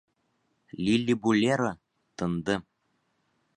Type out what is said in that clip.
«Лиллибулеро» тынды.